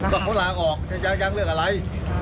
แล้วพวกเราจะเลือกอะไร